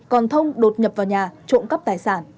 còn thông đột nhập vào nhà trộm cắp tài sản